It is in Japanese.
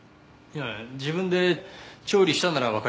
自分で調理したならわかりますが。